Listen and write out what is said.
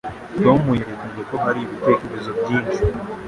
Tom yerekanye ko hari ibitekerezo byinshi.